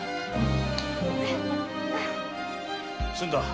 済んだ。